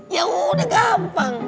ya udah gampang